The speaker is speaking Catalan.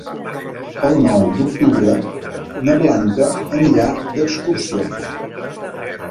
El nou d'octubre na Blanca anirà d'excursió.